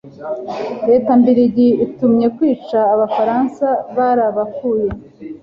Leta Mbirigi ibatumye kwica Abafaransa barabakuye